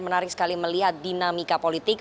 menarik sekali melihat dinamika politik